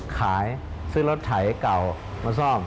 ขายซื้อรถไถเก่ามาซ่อม